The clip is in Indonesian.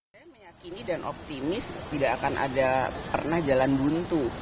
saya meyakini dan optimis tidak akan ada pernah jalan buntu